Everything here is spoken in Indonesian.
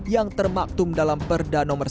yang termaktum dalam perda nomor sepuluh